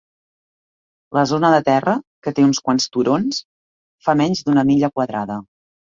La zona de terra, que té uns quants turons, fa menys d'una milla quadrada.